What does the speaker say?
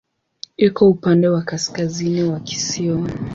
Iko upande wa kaskazini wa kisiwa.